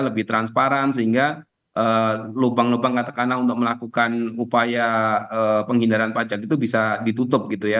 lebih transparan sehingga lubang lubang katakanlah untuk melakukan upaya penghindaran pajak itu bisa ditutup gitu ya